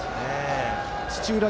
土浦